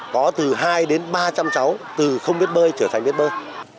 có từ hai đến ba trăm linh cháu từ không biết bơi trở thành biết bơi